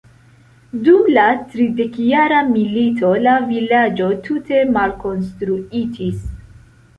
Dum la Tridekjara milito la vilaĝo tute malkonstruitis.